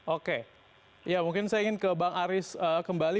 oke ya mungkin saya ingin ke bang aris kembali